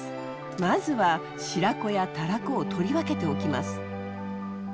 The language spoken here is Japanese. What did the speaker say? まずは白子やたらこを取り分けておきます。